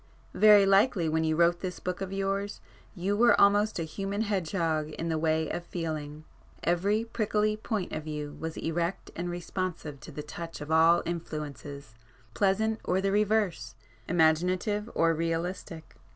Very likely when you wrote this book of yours, you were almost a human hedge hog in the way of feeling. Every prickly point of you was erect and responsive to the touch of all influences, pleasant or the reverse, imaginative or realistic.